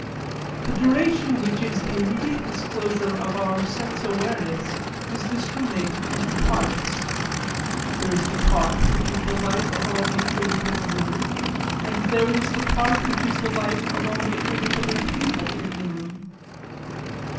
The duration which is the immediate disclosure of our sense awareness is discriminated into parts. There is the part which is the life of all nature within a room, and there is the part which is the life of all nature within a table in the room.